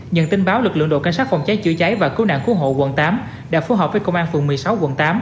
nhận tin báo lực lượng đội cảnh sát phòng cháy chữa cháy và cứu nạn cứu hộ quận tám đã phù hợp với công an phường một mươi sáu quận tám